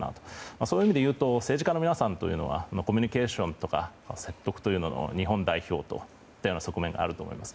そういう意味で言うと政治家の皆さんはコミュニケーションとかリーダーシップの日本代表という側面があると思います。